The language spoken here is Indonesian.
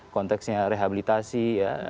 konteksnya rehabilitasi ya